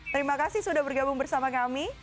terima kasih sudah bergabung bersama kami